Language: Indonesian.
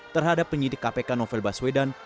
terhadap penyidik kpk novel baswedan